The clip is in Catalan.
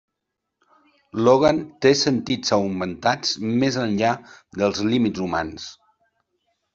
Logan té sentits augmentats més enllà dels límits humans.